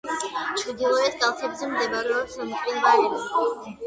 ჩრდილოეთ კალთებზე მდებარეობს მყინვარები.